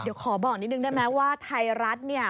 เดี๋ยวขอบอกนิดนึงได้ไหมว่าไทยรัฐเนี่ย